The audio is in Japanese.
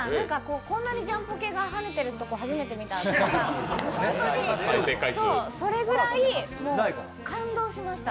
こんなにジャンポケがはねてるところ初めて見たんで、それぐらい感動しました。